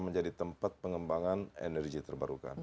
menjadi tempat pengembangan energi terbarukan